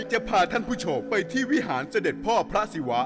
จะพาท่านผู้ชมไปที่วิหารเสด็จพ่อพระศิวะ